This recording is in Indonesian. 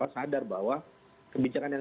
sadar bahwa kebijakan yang